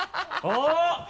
あっ！